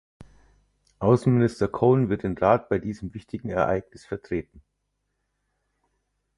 Außenminister Cowen wird den Rat bei diesem wichtigen Ereignis vertreten.